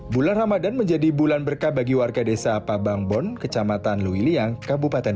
bulan ramadan menjadi bulan berkah bagi warga desa pabangbon kecamatan luiliang kabupaten